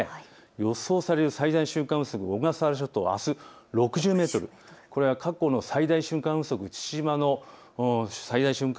予想される最大瞬間風速、小笠原諸島はあす６０メートル、これは過去の最大瞬間風速、父島の最大瞬間